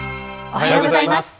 おはようございます。